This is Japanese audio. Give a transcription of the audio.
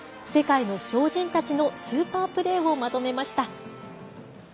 世界の超人たちのスーパープレーをまとめました。